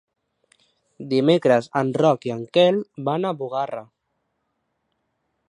Dimecres en Roc i en Quel van a Bugarra.